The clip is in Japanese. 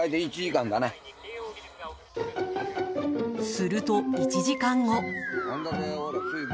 すると１時間後。